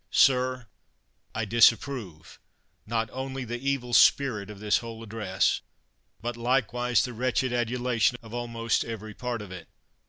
Sir, I disapprove, not only the evil spirit of this whole address, but likewise the wretched adula tion of almost every part of it.